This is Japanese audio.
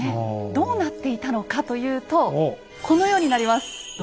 どうなっていたのかというとこのようになります。